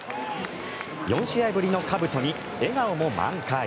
４試合ぶりのかぶとに笑顔も満開。